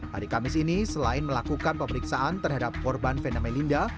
hari kamis ini selain melakukan pemeriksaan terhadap korban vena melinda